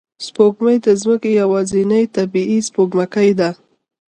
سپوږمۍ د ځمکې یوازینی طبیعي سپوږمکۍ ده